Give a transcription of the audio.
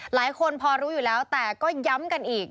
หลายคนพอรู้อยู่แล้วแต่ก็ย้ำกันอีก